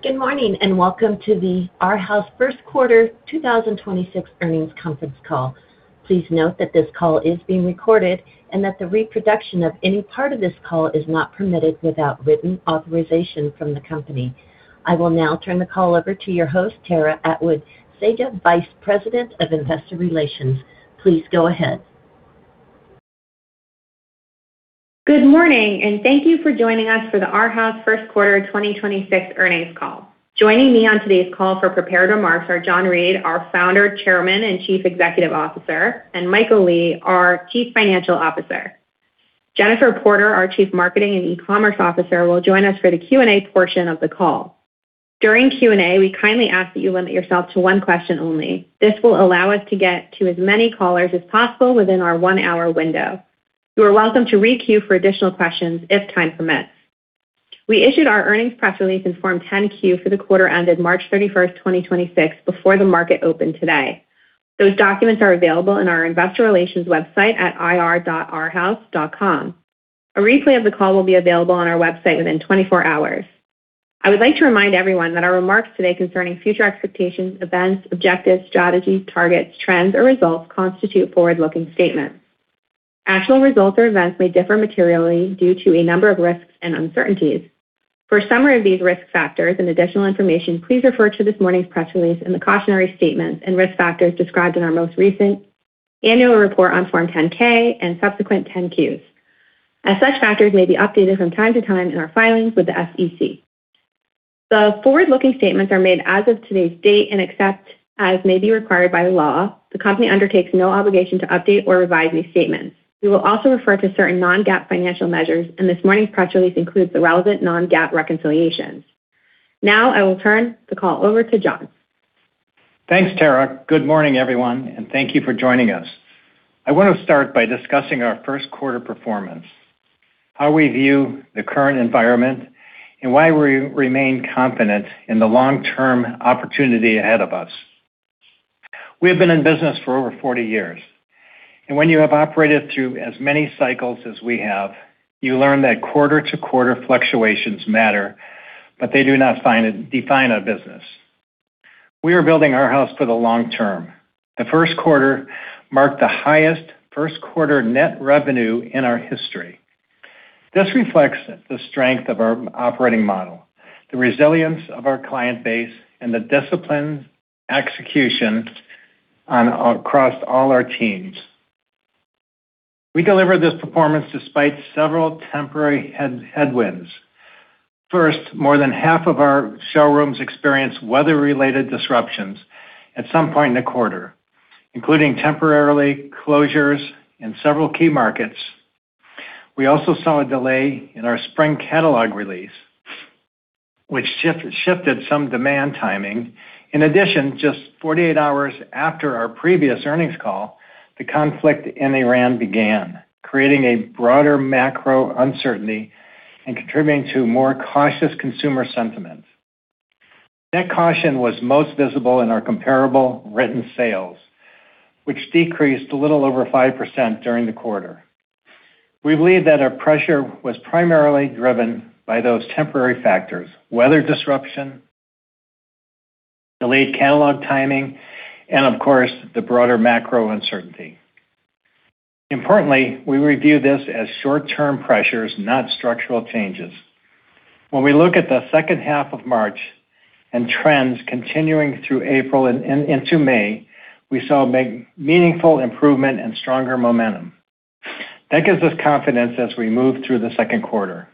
Good morning, and welcome to the Arhaus First Quarter 2026 Earnings conference call. Please note that this call is being recorded and that the reproduction of any part of this call is not permitted without written authorization from the company. I will now turn the call over to your host, Tara Atwood-Saja, Vice President, Investor Relations. Please go ahead. Good morning, and thank you for joining us for the Arhaus first quarter 2026 earnings call. Joining me on today's call for prepared remarks are John Reed, our Founder, Chairman, and Chief Executive Officer, and Michael Lee, our Chief Financial Officer. Jennifer Porter, our Chief Marketing and Ecommerce Officer, will join us for the Q&A portion of the call. During Q&A, we kindly ask that you limit yourself to one question only. This will allow us to get to as many callers as possible within our one-hour window. You are welcome to re-queue for additional questions if time permits. We issued our earnings press release in Form 10-Q for the quarter ended March 31st, 2026 before the market opened today. Those documents are available on our investor relations website at ir.arhaus.com. A replay of the call will be available on our website within 24 hours. I would like to remind everyone that our remarks today concerning future expectations, events, objectives, strategies, targets, trends, or results constitute forward-looking statements. Actual results or events may differ materially due to a number of risks and uncertainties. For a summary of these risk factors and additional information, please refer to this morning's press release and the cautionary statements and risk factors described in our most recent annual report on Form 10-K and Subsequent 10-Qs, as such factors may be updated from time to time in our filings with the SEC. The forward-looking statements are made as of today's date and except as may be required by law, the company undertakes no obligation to update or revise these statements. We will also refer to certain non-GAAP financial measures, and this morning's press release includes the relevant non-GAAP reconciliations. Now, I will turn the call over to John. Thanks, Tara. Good morning, everyone. Thank you for joining us. I want to start by discussing our first quarter performance, how we view the current environment, and why we remain confident in the long-term opportunity ahead of us. We have been in business for over 40 years. When you have operated through as many cycles as we have, you learn that quarter-to-quarter fluctuations matter, but they do not define a business. We are building Arhaus for the long term. The first quarter marked the highest first quarter net revenue in our history. This reflects the strength of our operating model, the resilience of our client base, and the disciplined execution across all our teams. We delivered this performance despite several temporary headwinds. First, more than half of our showrooms experienced weather-related disruptions at some point in the quarter, including temporary closures in several key markets. We also saw a delay in our spring catalog release, which shifted some demand timing. In addition, just 48 hours after our previous earnings call, the conflict in Iran began, creating a broader macro uncertainty and contributing to more cautious consumer sentiment. That caution was most visible in our comparable written sales, which decreased a little over 5% during the quarter. We believe that our pressure was primarily driven by those temporary factors: weather disruption, delayed catalog timing, and of course, the broader macro uncertainty. Importantly, we view this as short-term pressures, not structural changes. When we look at the second half of March and trends continuing through April and into May, we saw meaningful improvement and stronger momentum. That gives us confidence as we move through the second quarter.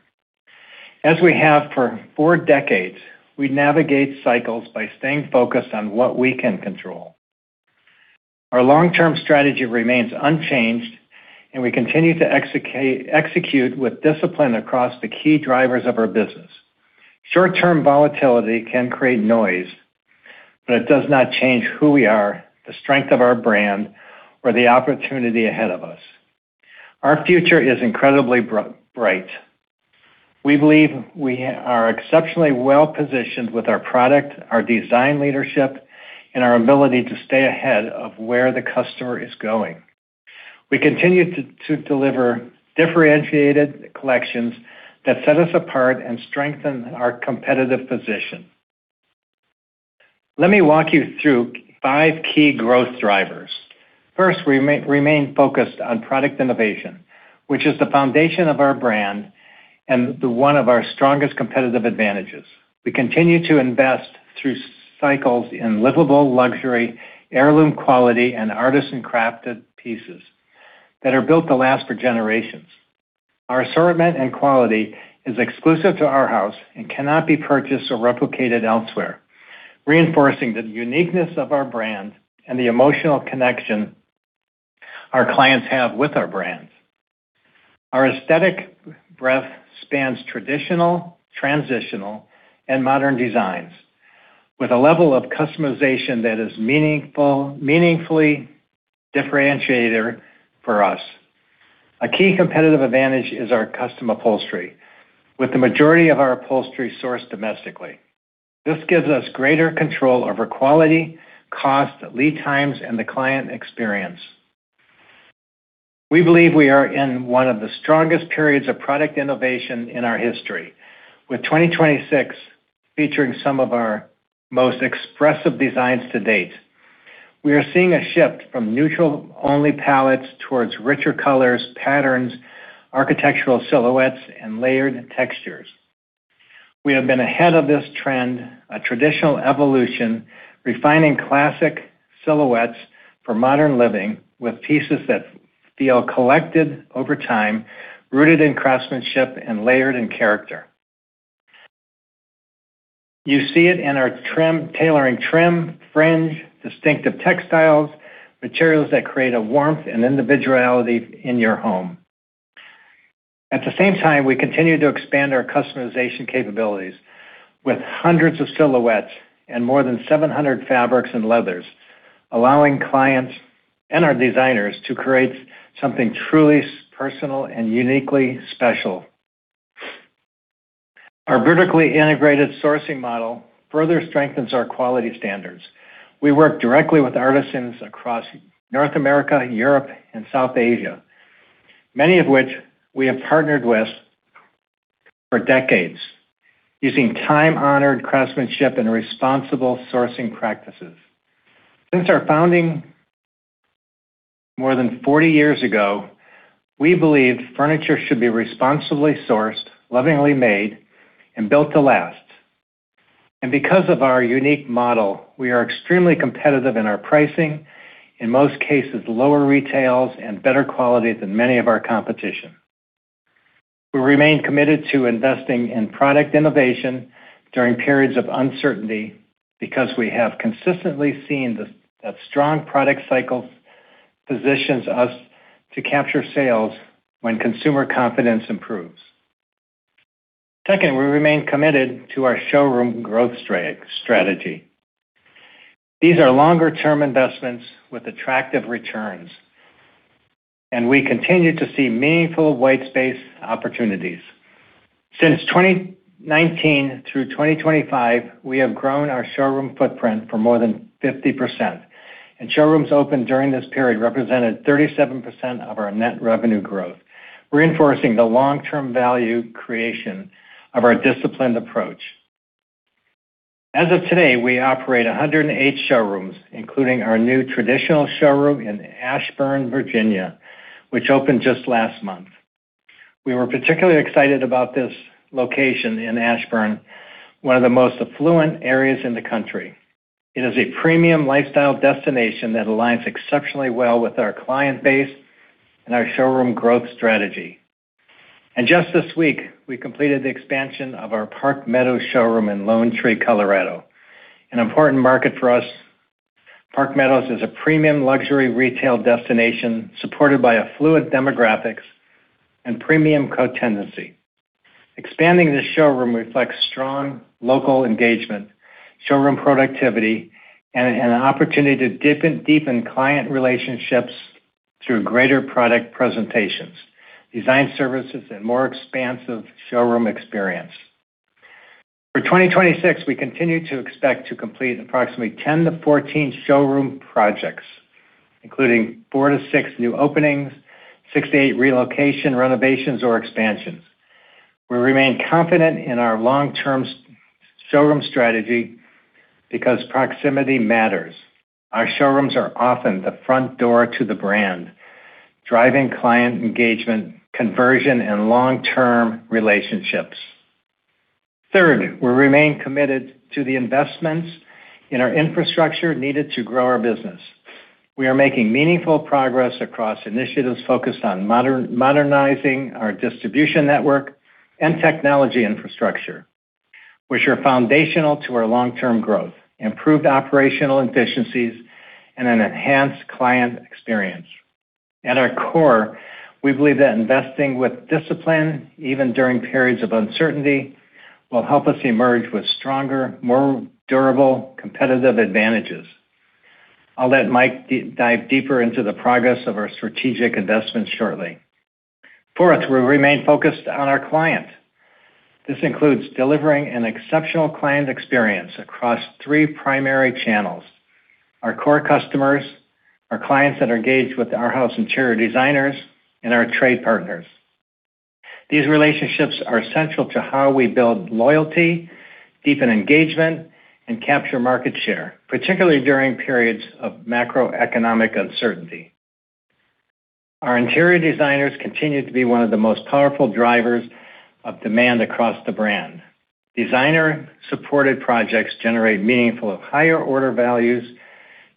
As we have for four decades, we navigate cycles by staying focused on what we can control. Our long-term strategy remains unchanged, and we continue to execute with discipline across the key drivers of our business. Short-term volatility can create noise, but it does not change who we are, the strength of our brand, or the opportunity ahead of us. Our future is incredibly bright. We believe we are exceptionally well-positioned with our product, our design leadership, and our ability to stay ahead of where the customer is going. We continue to deliver differentiated collections that set us apart and strengthen our competitive position. Let me walk you through five key growth drivers. First, we remain focused on product innovation, which is the foundation of our brand and the one of our strongest competitive advantages. We continue to invest through cycles in livable luxury, heirloom quality, and artisan crafted pieces that are built to last for generations. Our assortment and quality is exclusive to Arhaus and cannot be purchased or replicated elsewhere, reinforcing the uniqueness of our brand and the emotional connection our clients have with our brands. Our aesthetic breadth spans traditional, transitional, and modern designs with a level of customization that is meaningfully differentiator for us. A key competitive advantage is our custom upholstery, with the majority of our upholstery sourced domestically. This gives us greater control over quality, cost, lead times, and the client experience. We believe we are in one of the strongest periods of product innovation in our history, with 2026 featuring some of our most expressive designs to date. We are seeing a shift from neutral-only palettes towards richer colors, patterns, architectural silhouettes, and layered textures. We have been ahead of this trend, a traditional evolution, refining classic silhouettes for modern living with pieces that feel collected over time, rooted in craftsmanship and layered in character. You see it in our tailoring trim, fringe, distinctive textiles, materials that create a warmth and individuality in your home. At the same time, we continue to expand our customization capabilities with hundreds of silhouettes and more than 700 fabrics and leathers, allowing clients and our designers to create something truly personal and uniquely special. Our vertically integrated sourcing model further strengthens our quality standards. We work directly with artisans across North America, Europe, and South Asia, many of which we have partnered with for decades using time-honored craftsmanship and responsible sourcing practices. Since our founding more than 40 years ago, we believed furniture should be responsibly sourced, lovingly made, and built to last. Because of our unique model, we are extremely competitive in our pricing, in most cases, lower retails and better quality than many of our competition. We remain committed to investing in product innovation during periods of uncertainty because we have consistently seen that strong product cycles positions us to capture sales when consumer confidence improves. Second, we remain committed to our showroom growth strategy. These are longer-term investments with attractive returns, and we continue to see meaningful white space opportunities. Since 2019 through 2025, we have grown our showroom footprint for more than 50%, and showrooms opened during this period represented 37% of our net revenue growth, reinforcing the long-term value creation of our disciplined approach. As of today, we operate 108 showrooms, including our new traditional showroom in Ashburn, Virginia, which opened just last month. We were particularly excited about this location in Ashburn, one of the most affluent areas in the country. It is a premium lifestyle destination that aligns exceptionally well with our client base and our showroom growth strategy. Just this week, we completed the expansion of our Park Meadows showroom in Lone Tree, Colorado, an important market for us. Park Meadows is a premium luxury retail destination supported by affluent demographics and premium co-tenancy. Expanding this showroom reflects strong local engagement, showroom productivity, and an opportunity to deepen client relationships through greater product presentations, design services, and more expansive showroom experience. For 2026, we continue to expect to complete approximately 10-14 showroom projects, including four to six new openings, six to eight relocation renovations or expansions. We remain confident in our long-term showroom strategy because proximity matters. Our showrooms are often the front door to the brand, driving client engagement, conversion, and long-term relationships. Third, we remain committed to the investments in our infrastructure needed to grow our business. We are making meaningful progress across initiatives focused on modernizing our distribution network and technology infrastructure, which are foundational to our long-term growth, improved operational efficiencies, and an enhanced client experience. At our core, we believe that investing with discipline, even during periods of uncertainty, will help us emerge with stronger, more durable competitive advantages. I'll let Mike dive deeper into the progress of our strategic investments shortly. Fourth, we remain focused on our client. This includes delivering an exceptional client experience across three primary channels: our core customers, our clients that are engaged with Arhaus interior designers, and our trade partners. These relationships are essential to how we build loyalty, deepen engagement, and capture market share, particularly during periods of macroeconomic uncertainty. Our interior designers continue to be one of the most powerful drivers of demand across the brand. Designer-supported projects generate meaningful higher order values,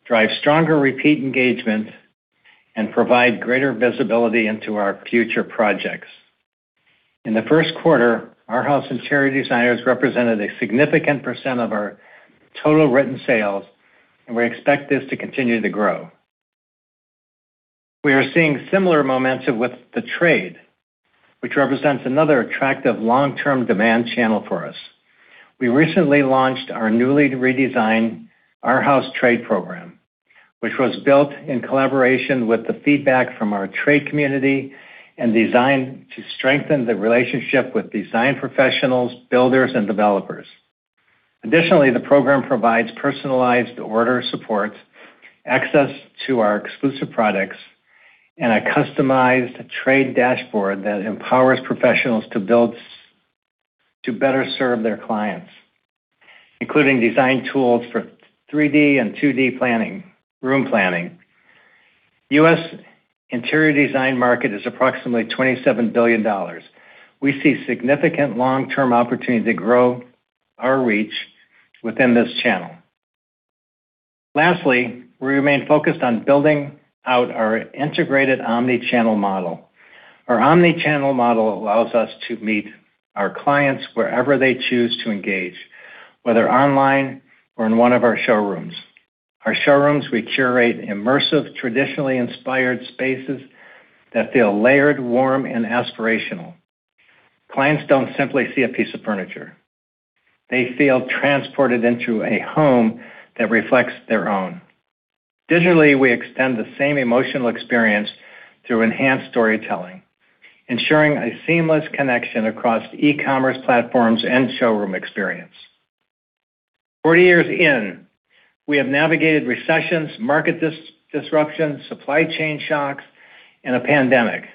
drive stronger repeat engagement, and provide greater visibility into our future projects. In the first quarter, Arhaus interior designers represented a significant percent of our total written sales, and we expect this to continue to grow. We are seeing similar momentum with the trade, which represents another attractive long-term demand channel for us. We recently launched our newly redesigned Arhaus Trade program, which was built in collaboration with the feedback from our trade community and designed to strengthen the relationship with design professionals, builders, and developers. The program provides personalized order support, access to our exclusive products, and a customized trade dashboard that empowers professionals to better serve their clients, including design tools for 3D and 2D planning, room planning. The U.S. interior design market is approximately $27 billion. We see significant long-term opportunity to grow our reach within this channel. We remain focused on building out our integrated omni-channel model. Our omni-channel model allows us to meet our clients wherever they choose to engage, whether online or in one of our showrooms. Our showrooms, we curate immersive, traditionally inspired spaces that feel layered, warm, and aspirational. Clients don't simply see a piece of furniture. They feel transported into a home that reflects their own. Digitally, we extend the same emotional experience through enhanced storytelling, ensuring a seamless connection across e-commerce platforms and showroom experience. For years in, we have navigated recessions, market disruption, supply chain shocks, and a pandemic.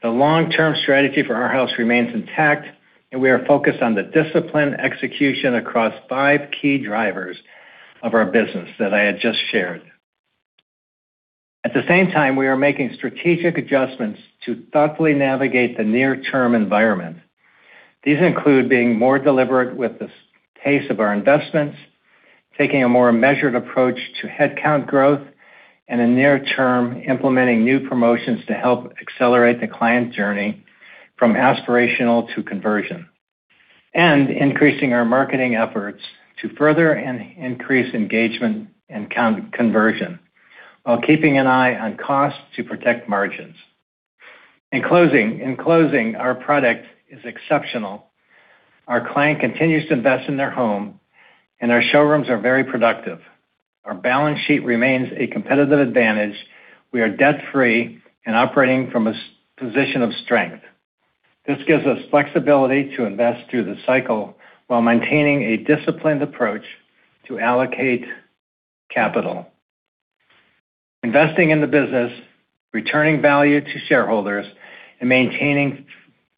The long-term strategy for Arhaus remains intact, and we are focused on the disciplined execution across five key drivers of our business that I had just shared. At the same time, we are making strategic adjustments to thoughtfully navigate the near-term environment. These include being more deliberate with the pace of our investments, taking a more measured approach to headcount growth, and in the near term, implementing new promotions to help accelerate the client journey from aspirational to conversion, and increasing our marketing efforts to further increase engagement and conversion while keeping an eye on cost to protect margins. In closing, our product is exceptional. Our client continues to invest in their home, and our showrooms are very productive. Our balance sheet remains a competitive advantage. We are debt-free and operating from a position of strength. This gives us flexibility to invest through the cycle while maintaining a disciplined approach to allocate capital. Investing in the business, returning value to shareholders, and maintaining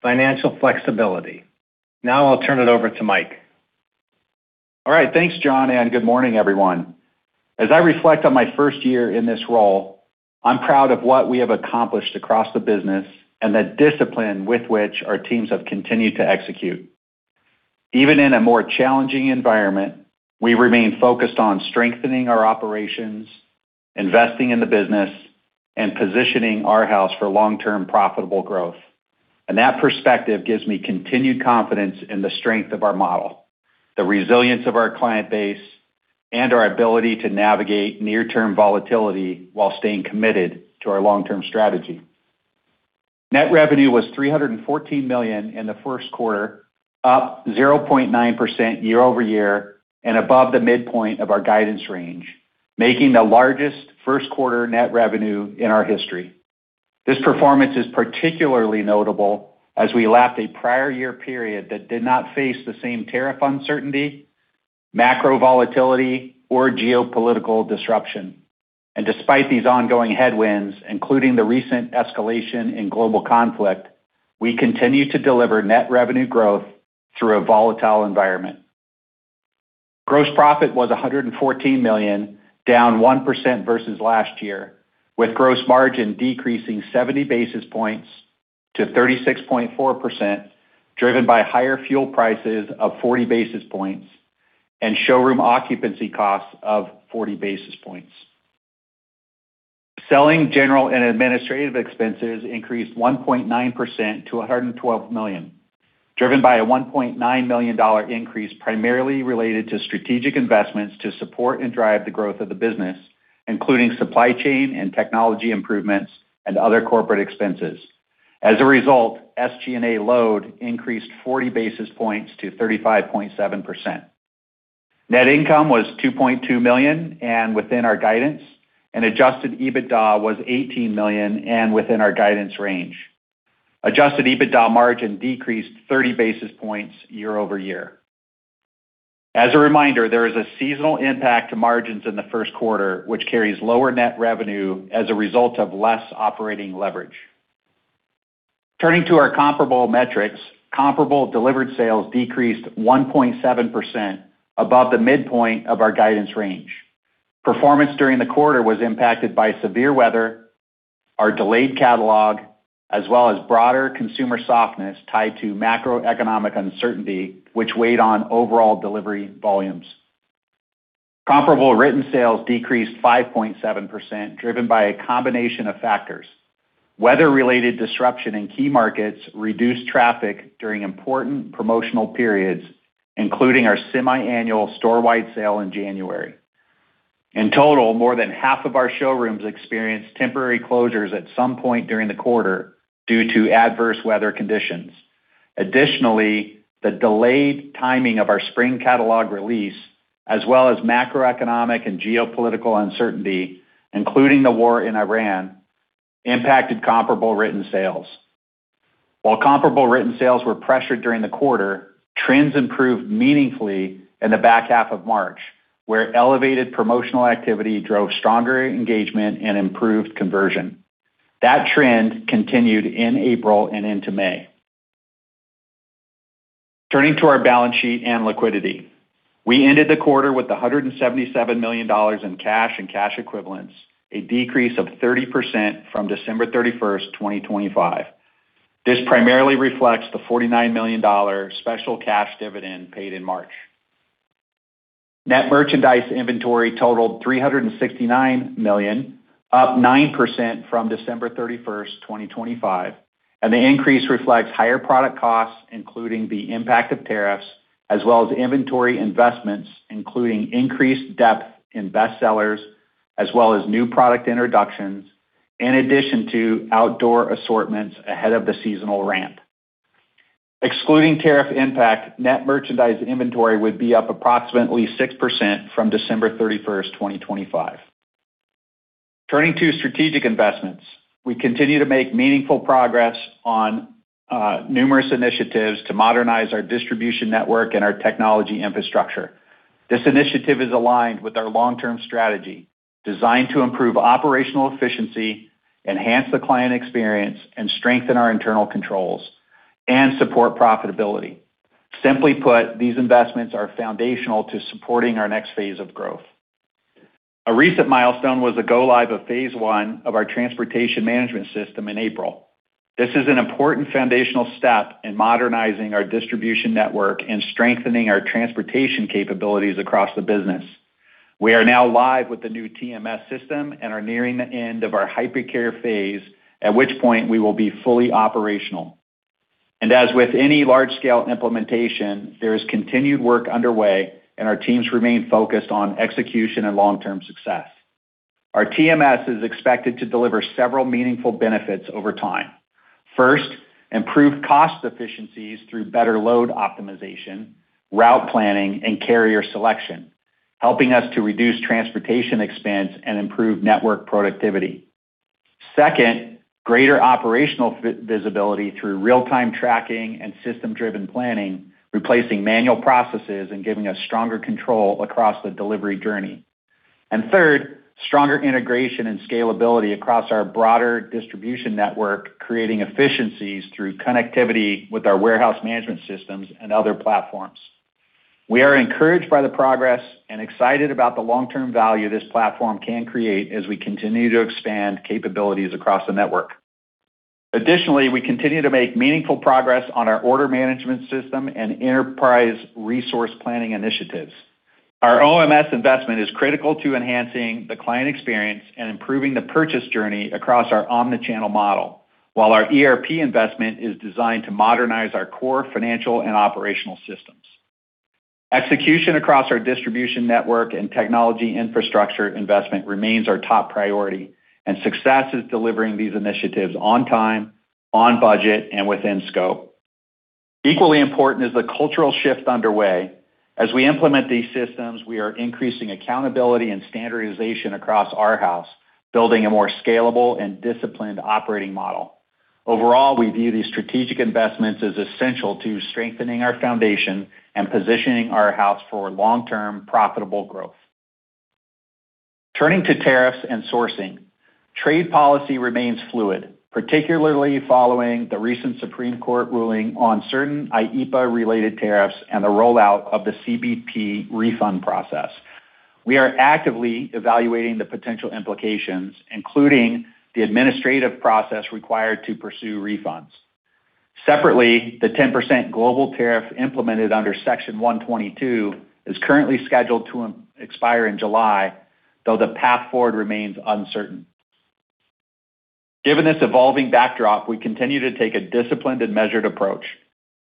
financial flexibility. Now I'll turn it over to Mike. All right. Thanks, John. Good morning, everyone. As I reflect on my first year in this role, I'm proud of what we have accomplished across the business and the discipline with which our teams have continued to execute. Even in a more challenging environment, we remain focused on strengthening our operations, investing in the business, and positioning Arhaus for long-term profitable growth. That perspective gives me continued confidence in the strength of our model, the resilience of our client base, and our ability to navigate near-term volatility while staying committed to our long-term strategy. Net revenue was $314 million in the first quarter, up 0.9% year-over-year and above the midpoint of our guidance range, making the largest first quarter net revenue in our history. This performance is particularly notable as we lapped a prior year period that did not face the same tariff uncertainty, macro volatility, or geopolitical disruption. Despite these ongoing headwinds, including the recent escalation in global conflict, we continue to deliver net revenue growth through a volatile environment. Gross profit was $114 million, down 1% versus last year, with gross margin decreasing 70 basis points to 36.4%, driven by higher fuel prices of 40 basis points and showroom occupancy costs of 40 basis points. Selling, general, and administrative expenses increased 1.9% to $112 million, driven by a $1.9 million increase primarily related to strategic investments to support and drive the growth of the business, including supply chain and technology improvements and other corporate expenses. SG&A load increased 40 basis points to 35.7%. Net income was $2.2 million and within our guidance. Adjusted EBITDA was $18 million and within our guidance range. Adjusted EBITDA margin decreased 30 basis points year-over-year. As a reminder, there is a seasonal impact to margins in the first quarter, which carries lower net revenue as a result of less operating leverage. Turning to our comparable metrics, comparable delivered sales decreased 1.7% above the midpoint of our guidance range. Performance during the quarter was impacted by severe weather, our delayed catalog, as well as broader consumer softness tied to macroeconomic uncertainty, which weighed on overall delivery volumes. Comparable written sales decreased 5.7%, driven by a combination of factors. Weather-related disruption in key markets reduced traffic during important promotional periods, including our semi-annual storewide sale in January. In total, more than half of our showrooms experienced temporary closures at some point during the quarter due to adverse weather conditions. Additionally, the delayed timing of our spring catalog release, as well as macroeconomic and geopolitical uncertainty, including the war in Iran, impacted comparable written sales. While comparable written sales were pressured during the quarter, trends improved meaningfully in the back half of March, where elevated promotional activity drove stronger engagement and improved conversion. That trend continued in April and into May. Turning to our balance sheet and liquidity. We ended the quarter with $177 million in cash and cash equivalents, a decrease of 30% from December 31st, 2025. This primarily reflects the $49 million special cash dividend paid in March. Net merchandise inventory totaled $369 million, up 9% from December 31st, 2025. The increase reflects higher product costs, including the impact of tariffs, as well as inventory investments, including increased depth in best sellers as well as new product introductions, in addition to outdoor assortments ahead of the seasonal ramp. Excluding tariff impact, net merchandise inventory would be up approximately 6% from December 31st, 2025. Turning to strategic investments. We continue to make meaningful progress on numerous initiatives to modernize our distribution network and our technology infrastructure. This initiative is aligned with our long-term strategy designed to improve operational efficiency, enhance the client experience, and strengthen our internal controls and support profitability. Simply put, these investments are foundational to supporting our next phase of growth. A recent milestone was the go live of phase one of our transportation management system in April. This is an important foundational step in modernizing our distribution network and strengthening our transportation capabilities across the business. We are now live with the new TMS system and are nearing the end of our hypercare phase, at which point we will be fully operational. As with any large-scale implementation, there is continued work underway and our teams remain focused on execution and long-term success. Our TMS is expected to deliver several meaningful benefits over time. First, improved cost efficiencies through better load optimization, route planning, and carrier selection, helping us to reduce transportation expense and improve network productivity. Second, greater operational visibility through real-time tracking and system-driven planning, replacing manual processes and giving us stronger control across the delivery journey. Third, stronger integration and scalability across our broader distribution network, creating efficiencies through connectivity with our warehouse management systems and other platforms. We are encouraged by the progress and excited about the long-term value this platform can create as we continue to expand capabilities across the network. Additionally, we continue to make meaningful progress on our Order Management System and Enterprise Resource Planning initiatives. Our OMS investment is critical to enhancing the client experience and improving the purchase journey across our omni-channel model. While our ERP investment is designed to modernize our core financial and operational systems. Execution across our distribution network and technology infrastructure investment remains our top priority, and success is delivering these initiatives on time, on budget, and within scope. Equally important is the cultural shift underway. As we implement these systems, we are increasing accountability and standardization across Arhaus, building a more scalable and disciplined operating model. Overall, we view these strategic investments as essential to strengthening our foundation and positioning Arhaus for long-term profitable growth. Turning to tariffs and sourcing. Trade policy remains fluid, particularly following the recent Supreme Court ruling on certain IEEPA related tariffs and the rollout of the CBP refund process. We are actively evaluating the potential implications, including the administrative process required to pursue refunds. Separately, the 10% global tariff implemented under Section 122 is currently scheduled to expire in July, though the path forward remains uncertain. Given this evolving backdrop, we continue to take a disciplined and measured approach.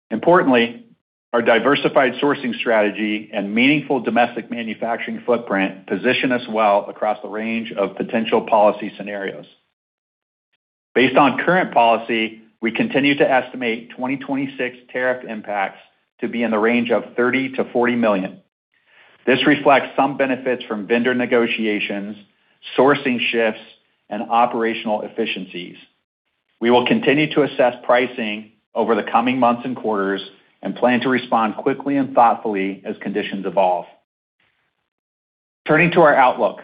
Importantly, our diversified sourcing strategy and meaningful domestic manufacturing footprint position us well across the range of potential policy scenarios. Based on current policy, we continue to estimate 2026 tariff impacts to be in the range of $30 million-$40 million. This reflects some benefits from vendor negotiations, sourcing shifts, and operational efficiencies. We will continue to assess pricing over the coming months and quarters and plan to respond quickly and thoughtfully as conditions evolve. Turning to our outlook.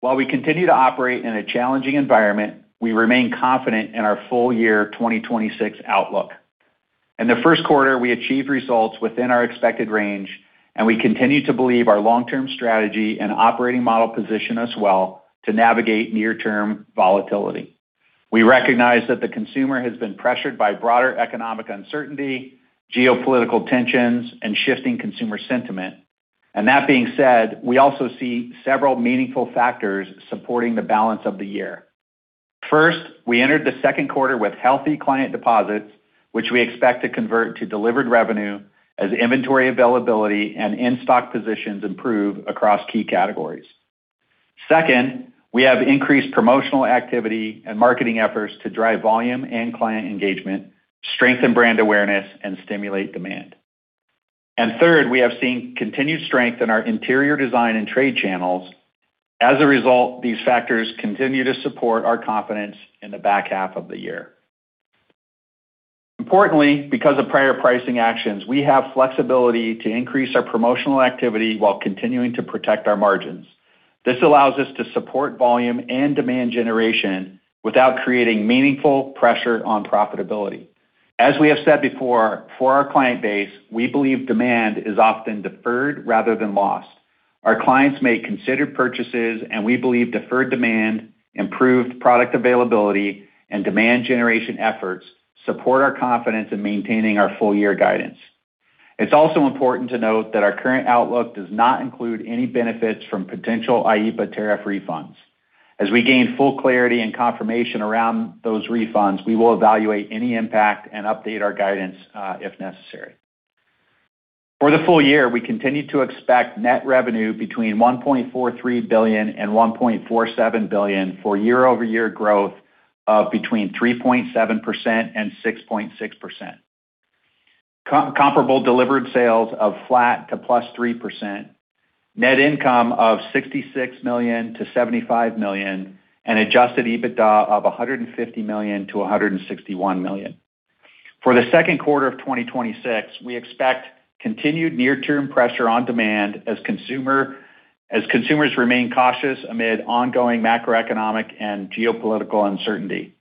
While we continue to operate in a challenging environment, we remain confident in our full year 2026 outlook. In the first quarter, we achieved results within our expected range. We continue to believe our long-term strategy and operating model position us well to navigate near-term volatility. We recognize that the consumer has been pressured by broader economic uncertainty, geopolitical tensions, and shifting consumer sentiment. That being said, we also see several meaningful factors supporting the balance of the year. First, we entered the second quarter with healthy client deposits, which we expect to convert to delivered revenue as inventory availability and in-stock positions improve across key categories. Second, we have increased promotional activity and marketing efforts to drive volume and client engagement, strengthen brand awareness, and stimulate demand. Third, we have seen continued strength in our interior design and trade channels. As a result, these factors continue to support our confidence in the back half of the year. Importantly, because of prior pricing actions, we have flexibility to increase our promotional activity while continuing to protect our margins. This allows us to support volume and demand generation without creating meaningful pressure on profitability. As we have said before, for our client base, we believe demand is often deferred rather than lost. Our clients may consider purchases. We believe deferred demand, improved product availability, and demand generation efforts support our confidence in maintaining our full year guidance. It's also important to note that our current outlook does not include any benefits from potential IEEPA tariff refunds. As we gain full clarity and confirmation around those refunds, we will evaluate any impact and update our guidance if necessary. For the full year, we continue to expect net revenue between $1.43 billion and $1.47 billion for year-over-year growth of between 3.7% and 6.6%. Comparable delivered sales of flat to +3%, net income of $66 million to $75 million, and adjusted EBITDA of $150 million to $161 million. For the second quarter of 2026, we expect continued near-term pressure on demand as consumers remain cautious amid ongoing macroeconomic and geopolitical uncertainty.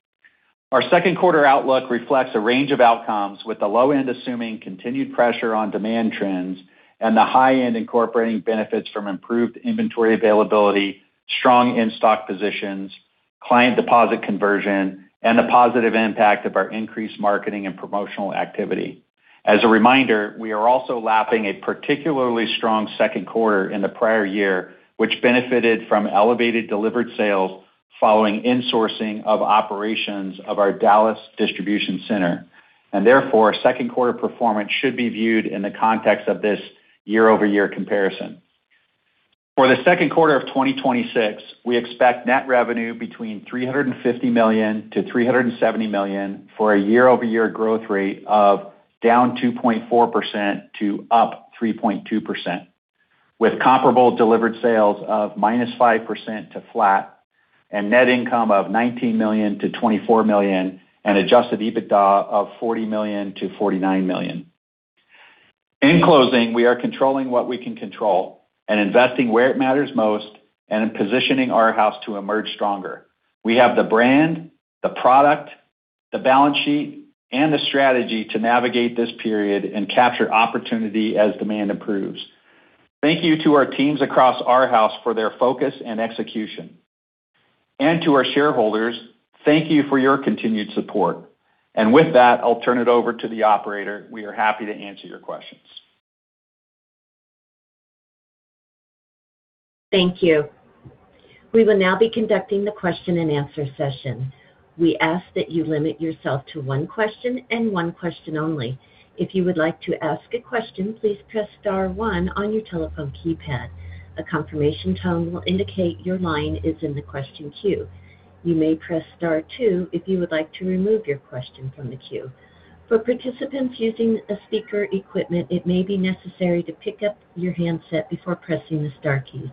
Our second quarter outlook reflects a range of outcomes, with the low end assuming continued pressure on demand trends and the high end incorporating benefits from improved inventory availability, strong in-stock positions, client deposit conversion, and the positive impact of our increased marketing and promotional activity. As a reminder, we are also lapping a particularly strong second quarter in the prior year, which benefited from elevated delivered sales following insourcing of operations of our Dallas distribution center. Therefore, second quarter performance should be viewed in the context of this year-over-year comparison. For the second quarter of 2026, we expect net revenue between $350 million-$370 million for a year-over-year growth rate of down 2.4% to up 3.2%, with comparable delivered sales of -5% to flat and net income of $19 million-$24 million and adjusted EBITDA of $40 million to $49 million. In closing, we are controlling what we can control and investing where it matters most and in positioning Arhaus to emerge stronger. We have the brand, the product, the balance sheet, and the strategy to navigate this period and capture opportunity as demand improves. Thank you to our teams across Arhaus for their focus and execution. To our shareholders, thank you for your continued support. With that, I'll turn it over to the operator. We are happy to answer your questions. Thank you. We will now be conducting the question-and-answer session. We ask that you limit yourself to one question and one question only. If you would like to ask a question, please press star one on your telephone keypad. A confirmation tone will indicate your line is in the question queue. You may press star two if you would like to remove your question from the queue. For participants using a speaker equipment, it may be necessary to pick up your handset before pressing the star keys.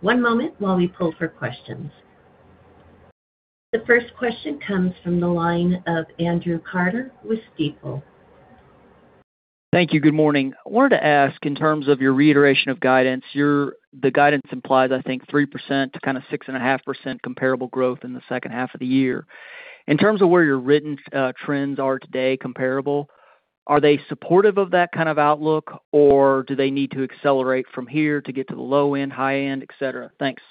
One moment while we pull for questions. The first question comes from the line of Andrew Carter with Stifel. Thank you. Good morning. I wanted to ask, in terms of your reiteration of guidance, the guidance implies, I think, 3% to kind of 6.5% comparable growth in the second half of the year. In terms of where your written trends are today comparable, are they supportive of that kind of outlook, or do they need to accelerate from here to get to the low end, high end, et cetera? Thanks.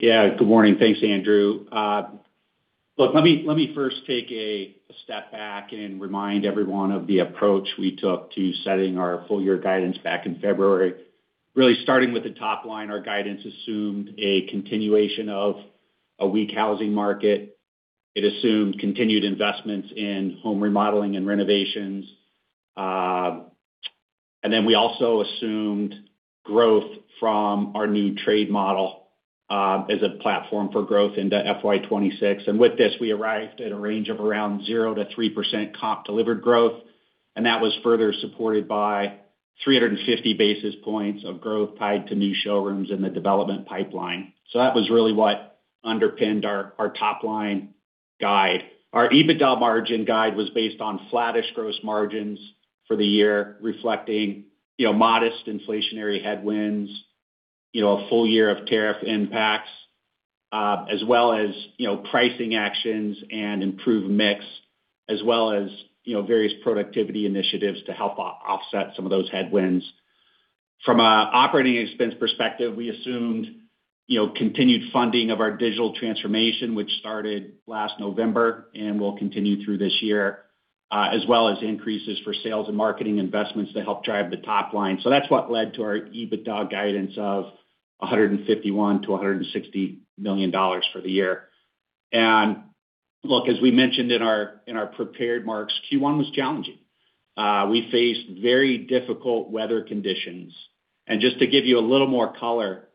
Good morning. Thanks, Andrew. Let me first take a step back and remind everyone of the approach we took to setting our full year guidance back in February. Starting with the top line, our guidance assumed a continuation of a weak housing market. It assumed continued investments in home remodeling and renovations. We also assumed growth from our new Arhaus Trade model as a platform for growth into FY 2026. With this, we arrived at a range of around 0%-3% comp delivered growth, and that was further supported by 350 basis points of growth tied to new showrooms in the development pipeline. That was really what underpinned our top line guide. Our EBITDA margin guide was based on flattish gross margins for the year, reflecting, you know, modest inflationary headwinds, you know, a full year of tariff impacts, as well as, you know, pricing actions and improved mix, as well as, you know, various productivity initiatives to help offset some of those headwinds. From an operating expense perspective, we assumed, you know, continued funding of our digital transformation, which started last November and will continue through this year, as well as increases for sales and marketing investments to help drive the top line. That's what led to our EBITDA guidance of $151 million-$160 million for the year. Look, as we mentioned in our prepared marks, Q1 was challenging. We faced very difficult weather conditions. Just to give you a little more color,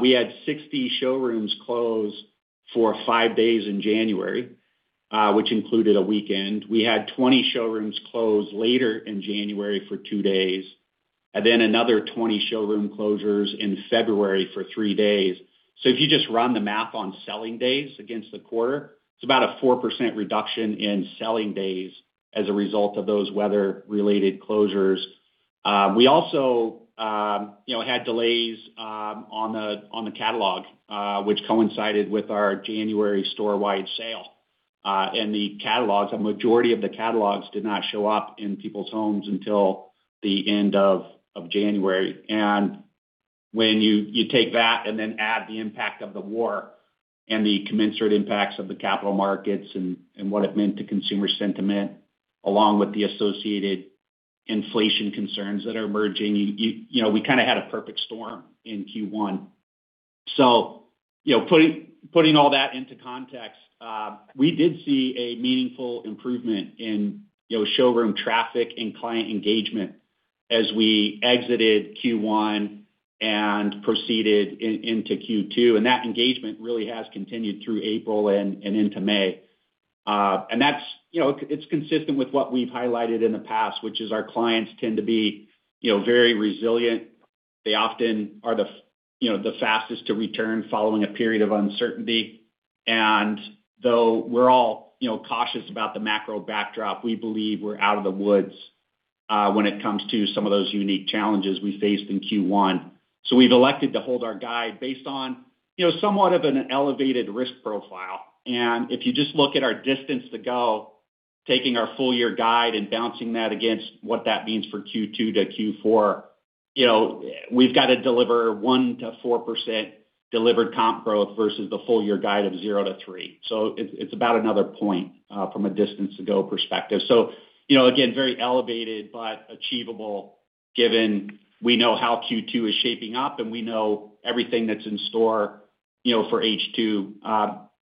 we had 60 showrooms close for five days in January, which included a weekend. We had 20 showrooms close later in January for two days, and then another 20 showroom closures in February for three days. If you just run the math on selling days against the quarter, it's about a 4% reduction in selling days as a result of those weather-related closures. We also, you know, had delays on the catalog, which coincided with our January storewide sale. The catalogs, a majority of the catalogs did not show up in people's homes until the end of January. When you take that and then add the impact of the war and the commensurate impacts of the capital markets and what it meant to consumer sentiment, along with the associated inflation concerns that are emerging, you know, we kind of had a perfect storm in Q1. You know, putting all that into context, we did see a meaningful improvement in, you know, showroom traffic and client engagement as we exited Q1 and proceeded into Q2, and that engagement really has continued through April and into May. That's, you know, it's consistent with what we've highlighted in the past, which is our clients tend to be, you know, very resilient. They often are the fastest to return following a period of uncertainty. Though we're all, you know, cautious about the macro backdrop, we believe we're out of the woods when it comes to some of those unique challenges we faced in Q1. We've elected to hold our guide based on, you know, somewhat of an elevated risk profile. If you just look at our distance to go, taking our full year guide and bouncing that against what that means for Q2 to Q4, you know, we've got to deliver 1%-4% delivered comp growth versus the full year guide of 0%-3%. It's about another point from a distance to go perspective. Again, very elevated but achievable given we know how Q2 is shaping up, and we know everything that's in store, you know, for H2.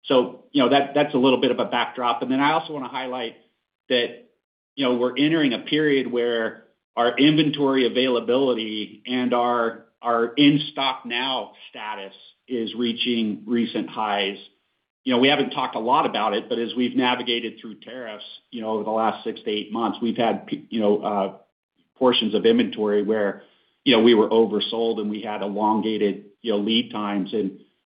That's a little bit of a backdrop. I also want to highlight that, you know, we're entering a period where our inventory availability and our in-stock now status is reaching recent highs. You know, we haven't talked a lot about it, but as we've navigated through tariffs, you know, over the last six to eight months, we've had portions of inventory where, you know, we were oversold, and we had elongated, you know, lead times.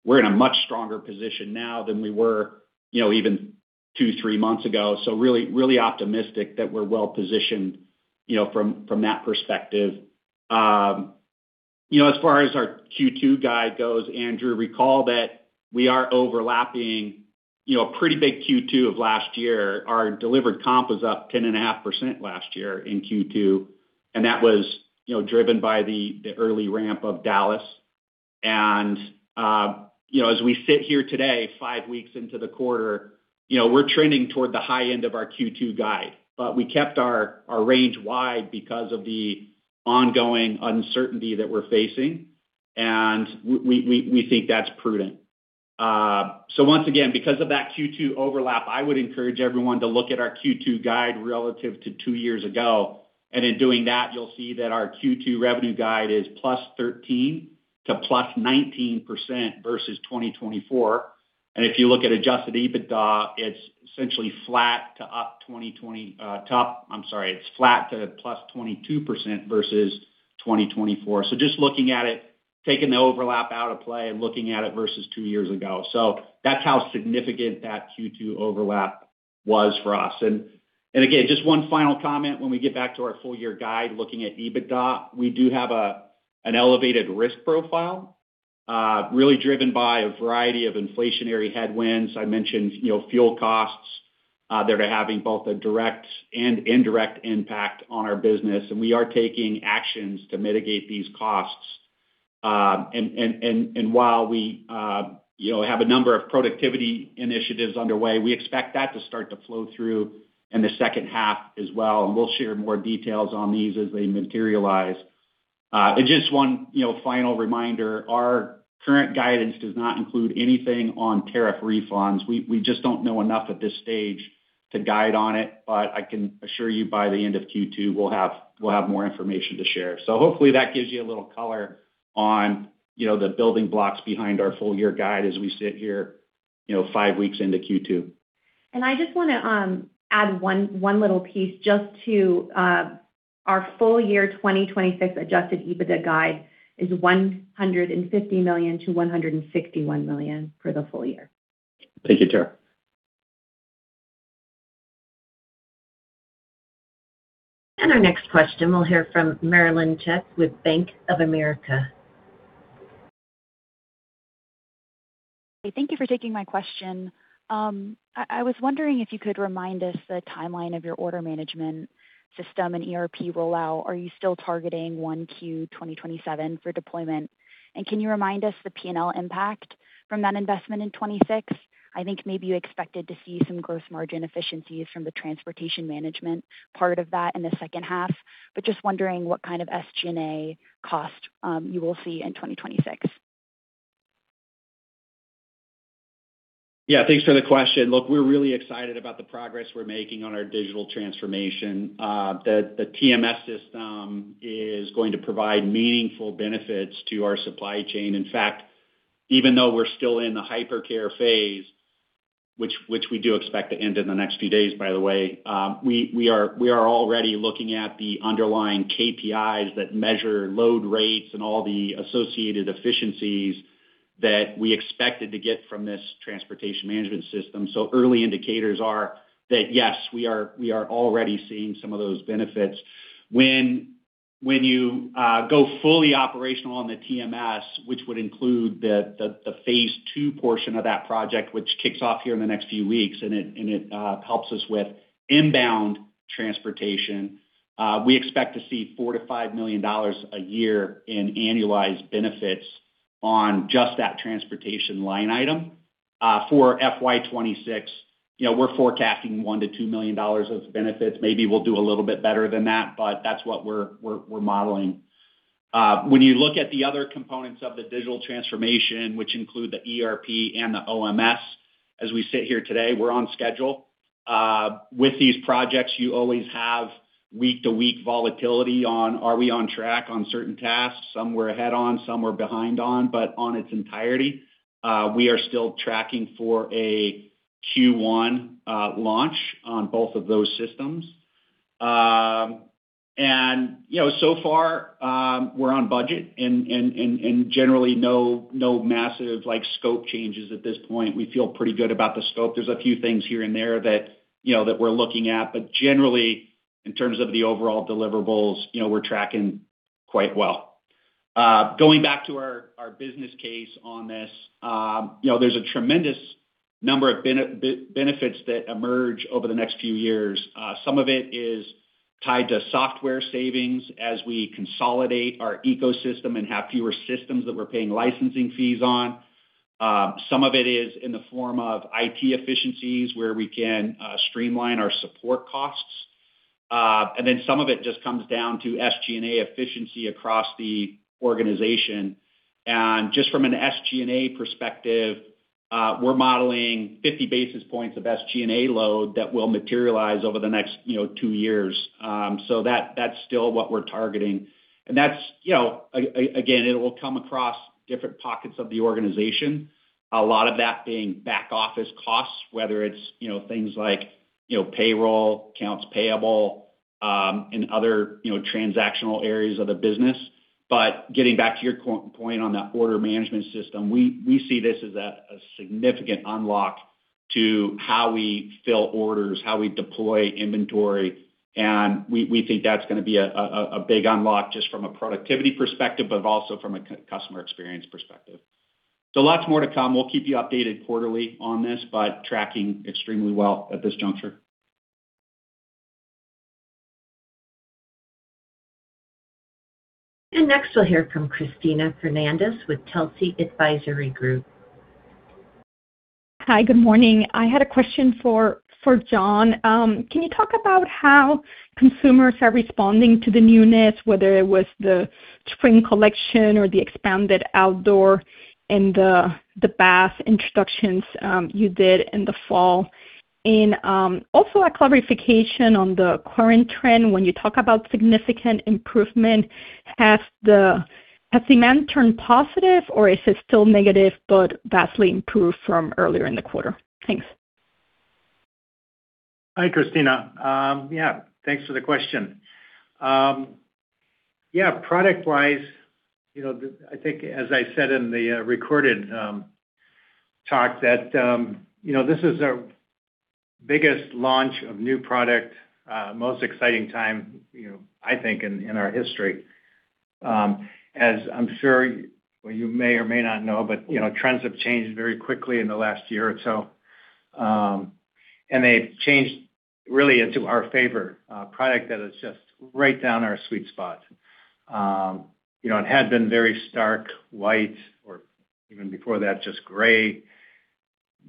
We're in a much stronger position now than we were, you know, even two, three months ago. Really optimistic that we're well-positioned, you know, from that perspective. You know, as far as our Q2 guide goes, Andrew, recall that we are overlapping, you know, a pretty big Q2 of last year. Our delivered comp was up 10.5% last year in Q2. That was, you know, driven by the early ramp of Dallas. You know, as we sit here today, five weeks into the quarter, you know, we're trending toward the high end of our Q2 guide. We kept our range wide because of the ongoing uncertainty that we're facing, and we think that's prudent. Once again, because of that Q2 overlap, I would encourage everyone to look at our Q2 guide relative to two years ago. In doing that, you'll see that our Q2 revenue guide is +13% to +19% versus 2024. If you look at Adjusted EBITDA, it's essentially flat to +22% versus 2024. Just looking at it, taking the overlap out of play and looking at it versus two years ago. That's how significant that Q2 overlap was for us. Again, just one final comment when we get back to our full year guide looking at EBITDA. We do have an elevated risk profile, really driven by a variety of inflationary headwinds. I mentioned, you know, fuel costs. They're having both a direct and indirect impact on our business, and we are taking actions to mitigate these costs. And while we, you know, have a number of productivity initiatives underway, we expect that to start to flow through in the second half as well, and we'll share more details on these as they materialize. Just one, you know, final reminder, our current guidance does not include anything on tariff refunds. We just don't know enough at this stage to guide on it. I can assure you by the end of Q2, we'll have more information to share. Hopefully that gives you a little color on, you know, the building blocks behind our full year guide as we sit here, you know, five weeks into Q2. I just want to add one little piece just to our full year 2026 adjusted EBITDA guide is $150 million-$161 million for the full year. Thank you, Tara. Our next question, we'll hear from Marilyn Tuch with Bank of America. Thank you for taking my question. I was wondering if you could remind us the timeline of your order management system and ERP rollout. Are you still targeting 1Q 2027 for deployment? Can you remind us the P&L impact from that investment in 2026? I think maybe you expected to see some gross margin efficiencies from the transportation management part of that in the second half, just wondering what kind of SG&A cost you will see in 2026. Yeah. Thanks for the question. Look, we're really excited about the progress we're making on our digital transformation. The TMS system is going to provide meaningful benefits to our supply chain. In fact, even though we're still in the hypercare phase, which we do expect to end in the next few days, by the way, we are already looking at the underlying KPIs that measure load rates and all the associated efficiencies that we expected to get from this transportation management system. Early indicators are that, yes, we are already seeing some of those benefits. When you go fully operational on the TMS, which would include the phase two portion of that project, which kicks off here in the next few weeks, and it helps us with inbound transportation, we expect to see $4 million-$5 million a year in annualized benefits on just that transportation line item. For FY 2026, you know, we're forecasting $1 million-$2 million of benefits. Maybe we'll do a little bit better than that, but that's what we're modeling. When you look at the other components of the digital transformation, which include the ERP and the OMS, as we sit here today, we're on schedule. With these projects, you always have week-to-week volatility on are we on track on certain tasks. Some we're ahead on, some we're behind on. On its entirety, we are still tracking for a Q1 launch on both of those systems. And, you know, so far, we're on budget and generally no massive, like, scope changes at this point. We feel pretty good about the scope. There's a few things here and there that, you know, that we're looking at. Generally, in terms of the overall deliverables, you know, we're tracking quite well. Going back to our business case on this, you know, there's a tremendous number of benefits that emerge over the next few years. Some of it is tied to software savings as we consolidate our ecosystem and have fewer systems that we're paying licensing fees on. Some of it is in the form of IT efficiencies, where we can streamline our support costs. Some of it just comes down to SG&A efficiency across the organization. Just from an SG&A perspective, we're modeling 50 basis points of SG&A load that will materialize over the next, you know, two years. That's still what we're targeting. That's, you know, again, it will come across different pockets of the organization, a lot of that being back office costs, whether it's, you know, things like, you know, payroll, accounts payable, and other, you know, transactional areas of the business. Getting back to your point on that order management system, we see this as a significant unlock to how we fill orders, how we deploy inventory, and we think that's gonna be a big unlock just from a productivity perspective, but also from a customer experience perspective. Lots more to come. We'll keep you updated quarterly on this, but tracking extremely well at this juncture. Next, we'll hear from Cristina Fernandez with Telsey Advisory Group. Hi, good morning. I had a question for John. Can you talk about how consumers are responding to the newness, whether it was the spring collection or the expanded outdoor and the bath introductions you did in the fall? Also a clarification on the current trend. When you talk about significant improvement, has demand turned positive, or is it still negative but vastly improved from earlier in the quarter? Thanks. Hi, Cristina. Thanks for the question. Product-wise, you know, I think as I said in the recorded talk that, you know, this is our biggest launch of new product, most exciting time, you know, I think in our history. As I'm sure you may or may not know, but, you know, trends have changed very quickly in the last year or so. They've changed really into our favor, product that is just right down our sweet spot. You know, it had been very stark white or even before that, just gray,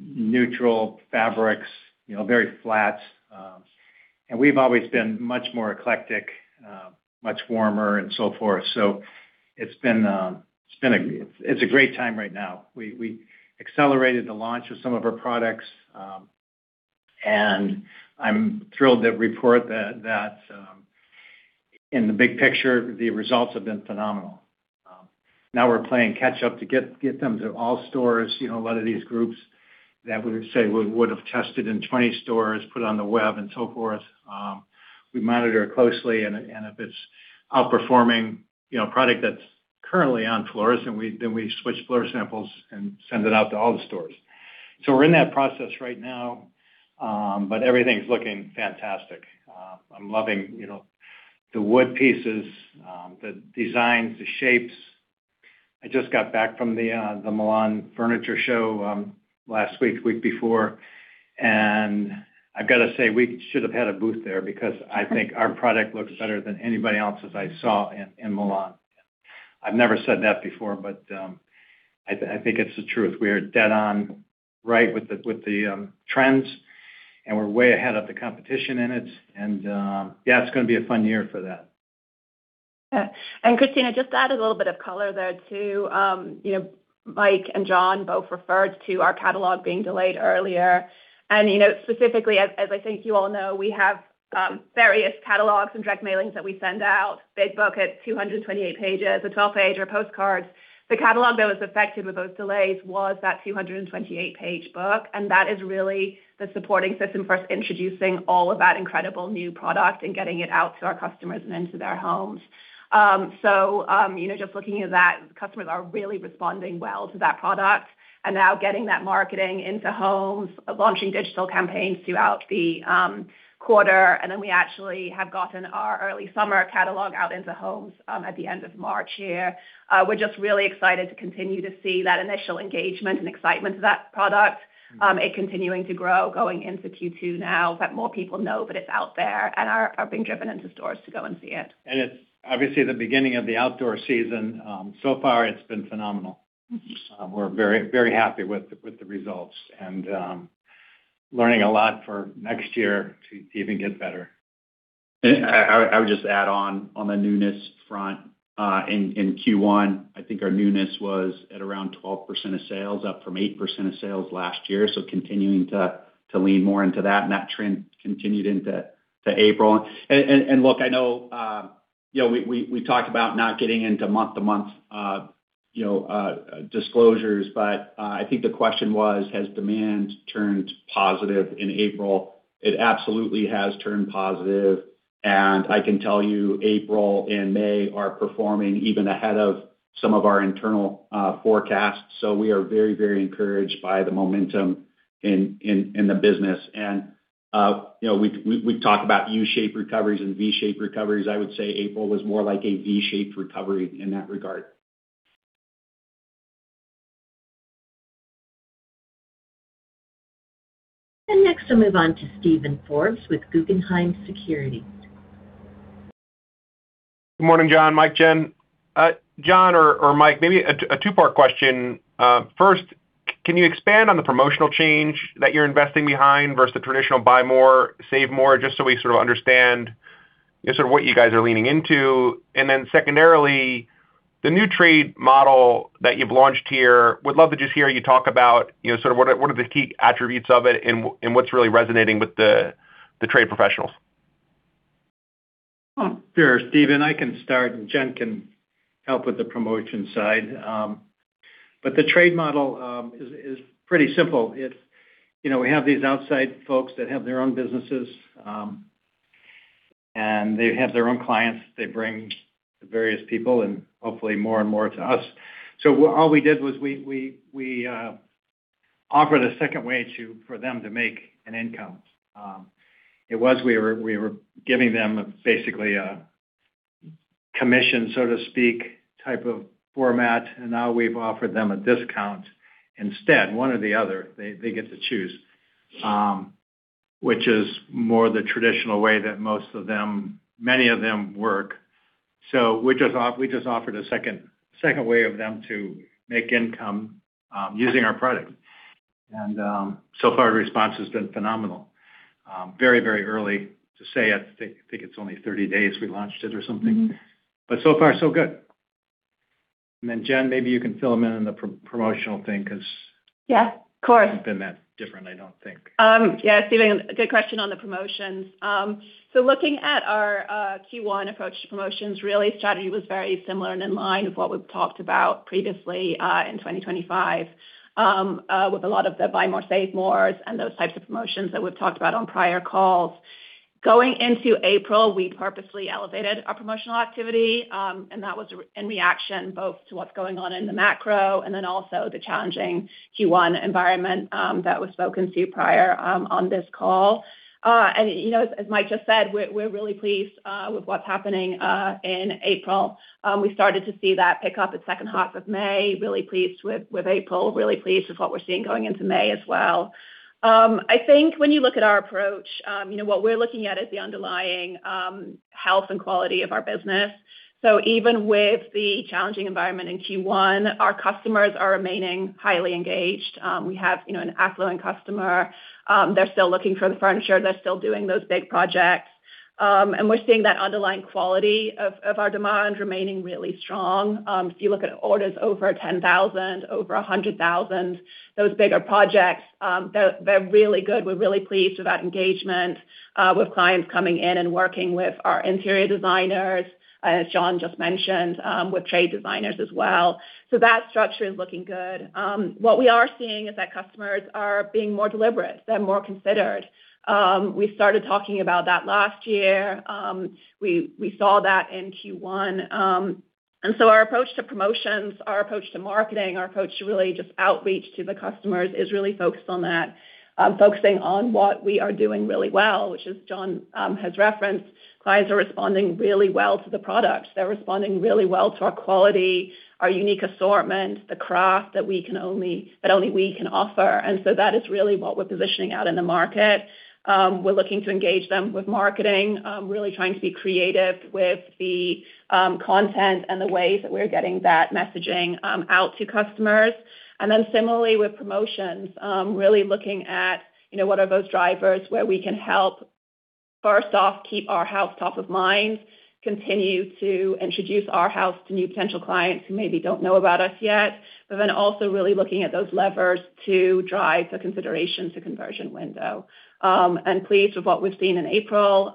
neutral fabrics, you know, very flat. We've always been much more eclectic, much warmer, and so forth. It's been, it's a great time right now. We accelerated the launch of some of our products, and I'm thrilled to report that, in the big picture, the results have been phenomenal. Now we're playing catch up to get them to all stores. You know, a lot of these groups that we say would have tested in 20 stores, put on the web, and so forth, we monitor closely, and if it's outperforming, you know, a product that's currently on floors, then we switch floor samples and send it out to all the stores. We're in that process right now, but everything's looking fantastic. I'm loving, you know, the wood pieces, the designs, the shapes. I just got back from the [Milan] furniture show last week before, and I've gotta say, we should have had a booth there because I think our product looks better than anybody else's I saw in Milan. I've never said that before, but I think it's the truth. We are dead on right with the trends, and we're way ahead of the competition in it. Yeah, it's gonna be a fun year for that. Yeah. Cristina, just to add a little bit of color there, too, you know, Mike and John both referred to our catalog being delayed earlier. you know, specifically, as I think you all know, we have various catalogs and direct mailings that we send out. Big book at 228 pages, a 12-pager, postcards. The catalog that was affected with those delays was that 228-page book, and that is really the supporting system for us introducing all of that incredible new product and getting it out to our customers and into their homes. you know, just looking at that, customers are really responding well to that product. Now getting that marketing into homes, launching digital campaigns throughout the quarter. We actually have gotten our early summer catalog out into homes at the end of March here. We're just really excited to continue to see that initial engagement and excitement to that product. It continuing to grow going into Q2 now that more people know that it's out there and are being driven into stores to go and see it. It's obviously the beginning of the outdoor season. So far it's been phenomenal. We're very happy with the results and, learning a lot for next year to even get better. I would just add on the newness front, in Q1, I think our newness was at around 12% of sales, up from 8% of sales last year. Continuing to lean more into that, and that trend continued into April. Look, I know, you know, we talked about not getting into month-to-month, you know, disclosures, I think the question was has demand turned positive in April? It absolutely has turned positive. I can tell you April and May are performing even ahead of some of our internal forecasts. We are very encouraged by the momentum in the business. You know, we talk about U-shaped recoveries and V-shaped recoveries. I would say April was more like a V-shaped recovery in that regard. Next, we'll move on to Steven Forbes with Guggenheim Securities. Good morning, John, Mike, Jen. John or Mike, maybe a two-part question. First, can you expand on the promotional change that you're investing behind versus the traditional buy more, save more, just so we understand what you guys are leaning into? Secondarily, the new trade model that you've launched here, would love to just hear you talk about, you know, what are the key attributes of it and what's really resonating with the trade professionals. Sure, Steven, I can start, and Jen can help with the promotion side. The trade model is pretty simple. You know, we have these outside folks that have their own businesses, and they have their own clients. They bring various people and hopefully more and more to us. All we did was we offered a second way for them to make an income. We were giving them basically a commission, so to speak, type of format, and now we've offered them a discount instead. One or the other. They get to choose. Which is more the traditional way that many of them work. We just offered a second way of them to make income using our product. So far the response has been phenomenal. Very early to say. I think it's only 30 days we launched it or something. So far so good. Then, Jen, maybe you can fill him in on the promotional thing because. Yeah, of course. hasn't been that different, I don't think. Yeah, Steven, good question on the promotions. Looking at our Q1 approach to promotions, really strategy was very similar and in line with what we've talked about previously, in 2025, with a lot of the buy more, save mores, and those types of promotions that we've talked about on prior calls. Going into April, we purposely elevated our promotional activity, and that was in reaction both to what's going on in the macro and then also the challenging Q1 environment that was spoken to prior on this call. You know, as Mike just said, we're really pleased with what's happening in April. We started to see that pick up at second half of May. Really pleased with April. Really pleased with what we're seeing going into May as well. I think when you look at our approach, you know, what we're looking at is the underlying health and quality of our business. Even with the challenging environment in Q1, our customers are remaining highly engaged. We have, you know, an affluent customer. They're still looking for the furniture. They're still doing those big projects. We're seeing that underlying quality of our demand remaining really strong. If you look at orders over $10,000, over $100,000, those bigger projects, they're really good. We're really pleased with that engagement, with clients coming in and working with our interior designers, as John just mentioned, with trade designers as well. That structure is looking good. What we are seeing is that customers are being more deliberate. They're more considered. We started talking about that last year. We saw that in Q1. Our approach to promotions, our approach to marketing, our approach to really just outreach to the customers is really focused on that. Focusing on what we are doing really well, which is John has referenced. Clients are responding really well to the products. They're responding really well to our quality, our unique assortment, the craft that only we can offer. That is really what we're positioning out in the market. We're looking to engage them with marketing, really trying to be creative with the content and the ways that we're getting that messaging out to customers. Similarly with promotions, really looking at, you know, what are those drivers where we can help. First off, keep Arhaus top of mind, continue to introduce Arhaus to new potential clients who maybe don't know about us yet, also really looking at those levers to drive the consideration to conversion window. Pleased with what we've seen in April,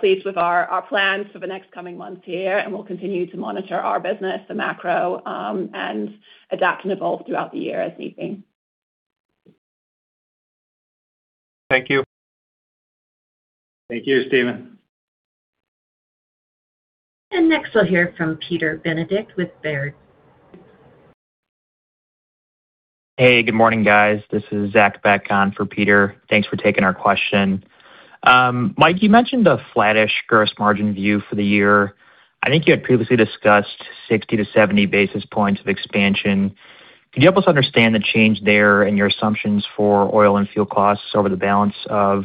pleased with our plans for the next coming months here, we'll continue to monitor our business, the macro, and adapt and evolve throughout the year as needing. Thank you. Thank you, Steven. Next, we'll hear from Peter Benedict with Baird. Good morning, guys. This is Zach back on for Peter. Thanks for taking our question. Mike, you mentioned a flattish gross margin view for the year. I think you had previously discussed 60-70 basis points of expansion. Could you help us understand the change there in your assumptions for oil and fuel costs over the balance of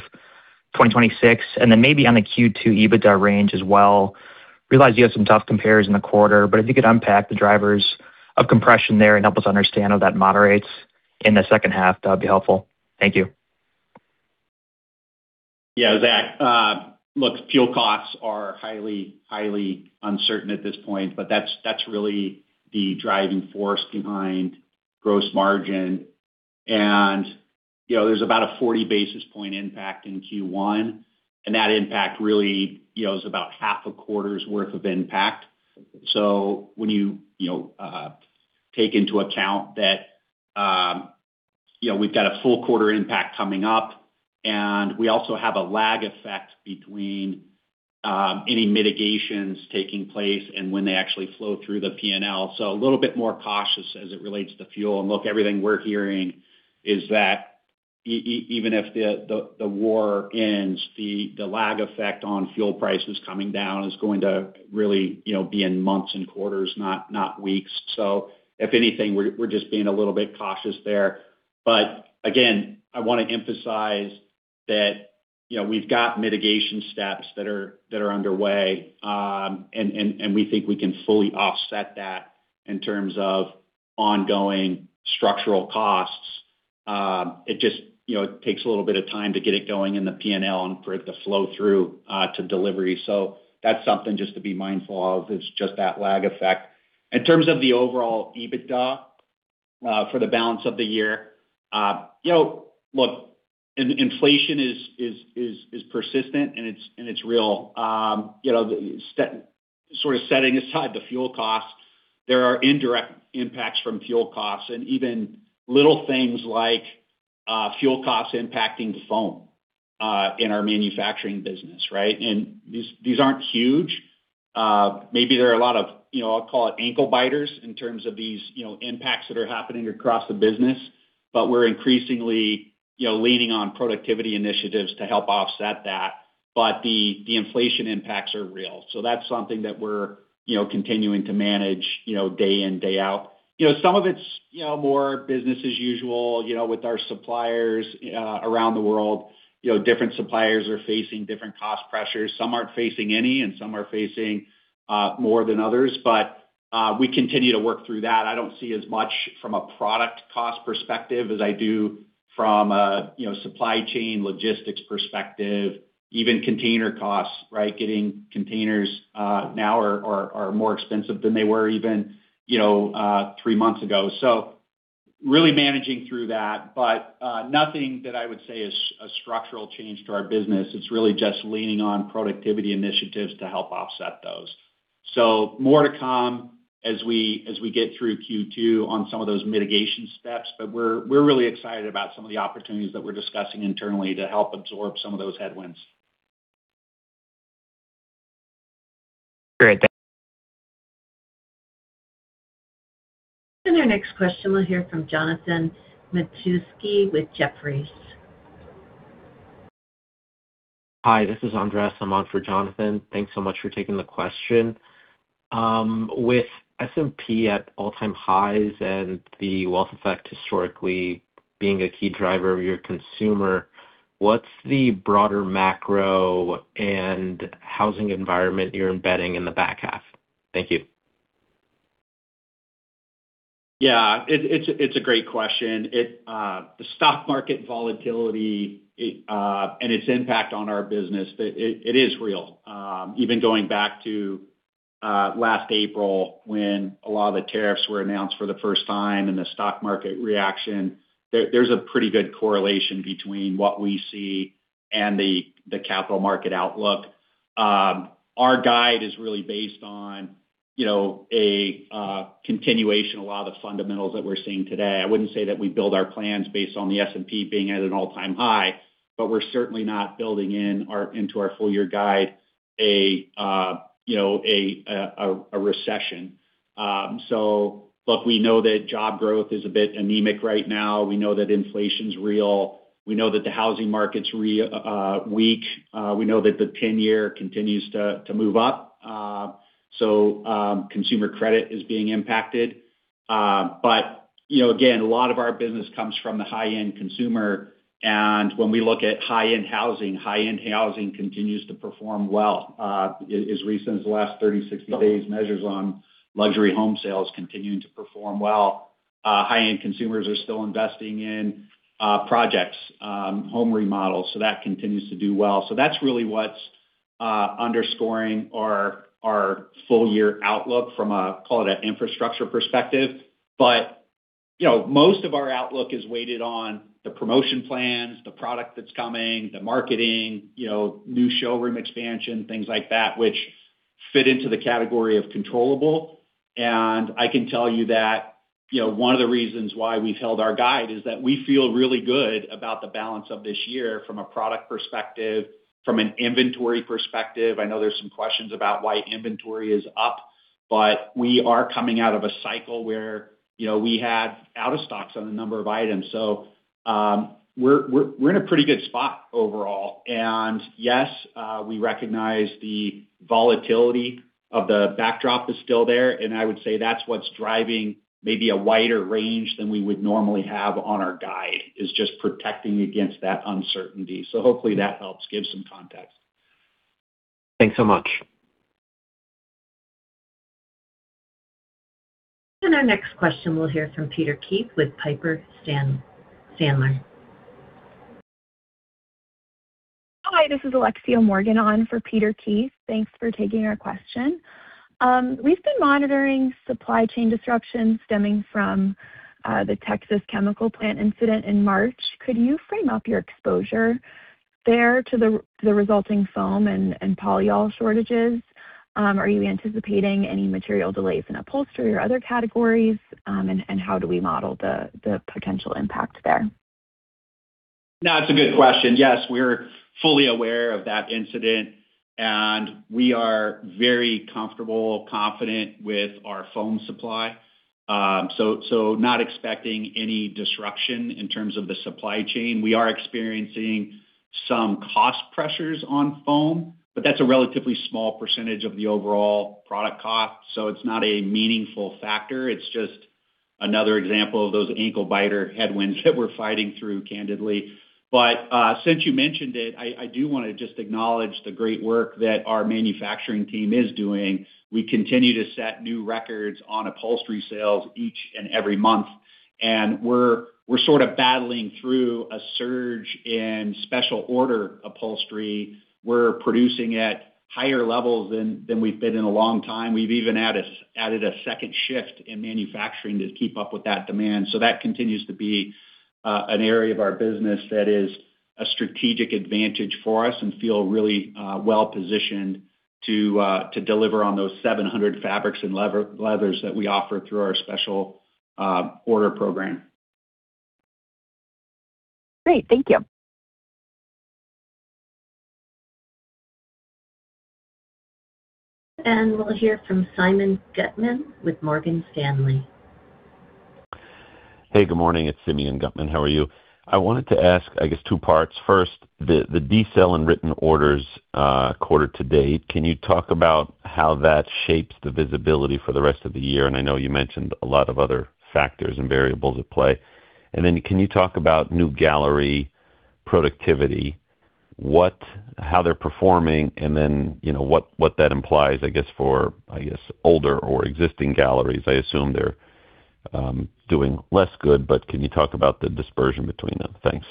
2026? Then maybe on the Q2 EBITDA range as well. Realize you have some tough compares in the quarter, if you could unpack the drivers of compression there and help us understand how that moderates in the second half, that'd be helpful. Thank you. Yeah, Zach. Look, fuel costs are highly uncertain at this point, but that's really the driving force behind gross margin. You know, there's about a 40 basis point impact in Q1, and that impact really is about half a quarter's worth of impact. When you know, take into account that, you know, we've got a full quarter impact coming up, and we also have a lag effect between any mitigations taking place and when they actually flow through the P&L. A little bit more cautious as it relates to fuel. Look, everything we're hearing is that even if the war ends, the lag effect on fuel prices coming down is going to really be in months and quarters, not weeks. If anything, we're just being a little bit cautious there. Again, I wanna emphasize that, you know, we've got mitigation steps that are underway, and we think we can fully offset that in terms of ongoing structural costs. It just, you know, takes a little bit of time to get it going in the P&L and for it to flow through to delivery. That's something just to be mindful of. It's just that lag effect. In terms of the overall EBITDA for the balance of the year, you know, look, inflation is persistent and it's real. You know, sort of setting aside the fuel costs, there are indirect impacts from fuel costs and even little things like fuel costs impacting the foam in our manufacturing business, right? These, these aren't huge. Maybe there are a lot of, you know, I'll call it ankle biters in terms of these, you know, impacts that are happening across the business, but we're increasingly, you know, leaning on productivity initiatives to help offset that. The, the inflation impacts are real. That's something that we're, you know, continuing to manage, you know, day in, day out. Some of it's, you know, more business as usual, you know, with our suppliers around the world. Different suppliers are facing different cost pressures. Some aren't facing any, and some are facing more than others. We continue to work through that. I don't see as much from a product cost perspective as I do from a, you know, supply chain logistics perspective, even container costs, right? Getting containers, now are more expensive than they were even, you know, three months ago. Really managing through that, but nothing that I would say is a structural change to our business. It's really just leaning on productivity initiatives to help offset those. More to come as we get through Q2 on some of those mitigation steps, but we're really excited about some of the opportunities that we're discussing internally to help absorb some of those headwinds. Great. Thank- Our next question, we'll hear from Jonathan Matuszewski with Jefferies. Hi, this is Andreas. I'm on for Jonathan. Thanks so much for taking the question. With S&P at all-time highs and the wealth effect historically being a key driver of your consumer, what's the broader macro and housing environment you're embedding in the back half? Thank you. Yeah. It's a great question. The stock market volatility and its impact on our business, it is real. Even going back to last April when a lot of the tariffs were announced for the first time and the stock market reaction, there's a pretty good correlation between what we see and the capital market outlook. Our guide is really based on, you know, continuation, a lot of the fundamentals that we're seeing today. I wouldn't say that we build our plans based on the S&P being at an all-time high, but we're certainly not building into our full year guide, you know, a recession. Look, we know that job growth is a bit anemic right now. We know that inflation's real. We know that the housing market's weak. We know that the 10-year continues to move up. Consumer credit is being impacted. You know, again, a lot of our business comes from the high-end consumer, and when we look at high-end housing, high-end housing continues to perform well. As recent as the last 30, 60 days measures on luxury home sales continuing to perform well. High-end consumers are still investing in projects, home remodels, that continues to do well. That's really what's underscoring our full year outlook from a, call it, an infrastructure perspective. You know, most of our outlook is weighted on the promotion plans, the product that's coming, the marketing, you know, new showroom expansion, things like that which fit into the category of controllable. I can tell you that, you know, one of the reasons why we've held our guide is that we feel really good about the balance of this year from a product perspective, from an inventory perspective. I know there's some questions about why inventory is up, but we are coming out of a cycle where, you know, we had out of stocks on a number of items. We're in a pretty good spot overall. Yes, we recognize the volatility of the backdrop is still there, and I would say that's what's driving maybe a wider range than we would normally have on our guide, is just protecting against that uncertainty. Hopefully that helps give some context. Thanks so much. Our next question, we'll hear from Peter Keith with Piper Sandler. Hi, this is Alexia Morgan on for Peter Keith. Thanks for taking our question. We've been monitoring supply chain disruptions stemming from the Texas chemical plant incident in March. Could you frame up your exposure there to the resulting foam and polyol shortages? Are you anticipating any material delays in upholstery or other categories? How do we model the potential impact there? No, it's a good question. Yes, we're fully aware of that incident, and we are very comfortable, confident with our foam supply. Not expecting any disruption in terms of the supply chain. We are experiencing some cost pressures on foam. That's a relatively small percentage of the overall product cost. It's not a meaningful factor. It's just another example of those ankle biter headwinds that we're fighting through, candidly. Since you mentioned it, I do wanna just acknowledge the great work that our manufacturing team is doing. We continue to set new records on upholstery sales each and every month, we're sort of battling through a surge in special order upholstery. We're producing at higher levels than we've been in a long time. We've even added a second shift in manufacturing to keep up with that demand. That continues to be an area of our business that is a strategic advantage for us and feel really well positioned to to deliver on those 700 fabrics and leathers that we offer through our special order program. Great. Thank you. We'll hear from Simeon Gutman with Morgan Stanley. Hey, good morning. It's Simeon Gutman. How are you? I wanted to ask, I guess, two parts. First, the decel in written orders, quarter to date, can you talk about how that shapes the visibility for the rest of the year? I know you mentioned a lot of other factors and variables at play. Then can you talk about new gallery productivity, how they're performing, and then, you know, what that implies, I guess, for, I guess, older or existing galleries? I assume they're doing less good, but can you talk about the dispersion between them? Thanks.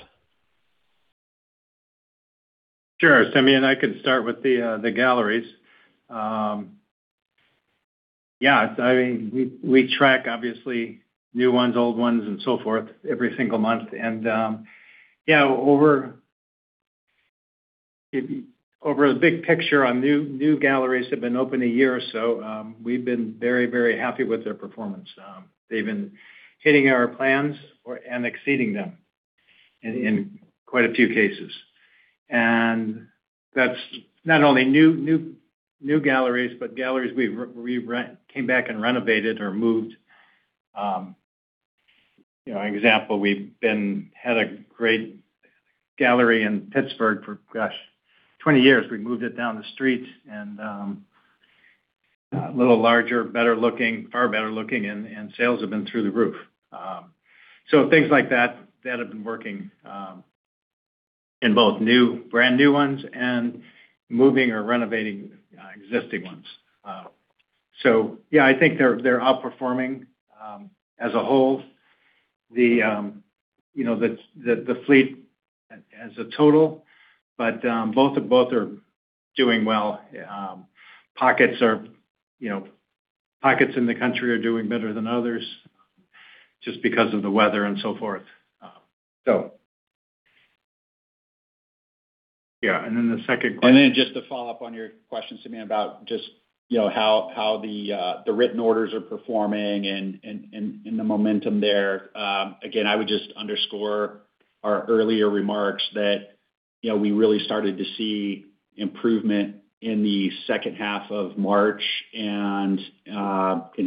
Sure, Simeon. I can start with the galleries. Yeah, I mean, we track obviously new ones, old ones, and so forth every single month. Yeah, Over the big picture on new galleries have been open a year or so, we've been very, very happy with their performance. They've been hitting our plans and exceeding them in quite a few cases. That's not only new galleries, but galleries we came back and renovated or moved. You know, example, we had a great gallery in Pittsburgh for, gosh, 20 years. We moved it down the street, a little larger, better looking, far better looking, and sales have been through the roof. So things like that have been working in both brand new ones and moving or renovating existing ones. Yeah, I think they're outperforming as a whole. The, you know, the fleet as a total, but both are doing well. Pockets are, you know, pockets in the country are doing better than others just because of the weather and so forth. Yeah, and then the second question- Just to follow up on your question, Simeon, about how the written orders are performing and the momentum there. Again, I would underscore our earlier remarks that we really started to see improvement in the second half of March and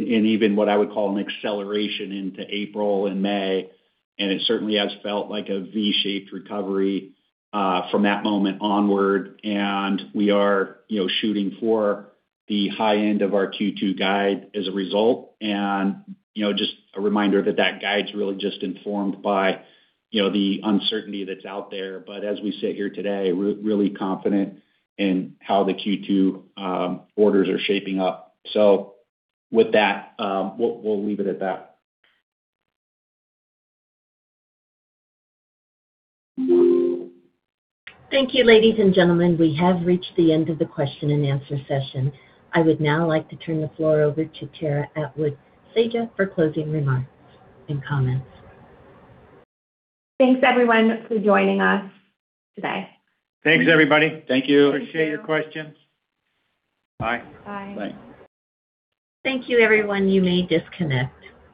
even what I would call an acceleration into April and May. It certainly has felt like a V-shaped recovery from that moment onward. We are shooting for the high end of our Q2 guide as a result. A reminder that that guide's really informed by the uncertainty that's out there. As we sit here today, we're really confident in how the Q2 orders are shaping up. With that, we'll leave it at that. Thank you, ladies and gentlemen. We have reached the end of the question and answer session. I would now like to turn the floor over to Tara Atwood-Saja for closing remarks and comments. Thanks, everyone, for joining us today. Thanks, everybody. Thank you. Appreciate your questions. Bye. Bye. Bye. Thank you, everyone. You may disconnect.